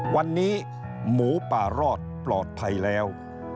วันนี้หมูป่ารอดปลอดภัยแล้ว